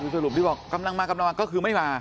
สรุปที่บอกกำลังมากำลังก็คือไม่มา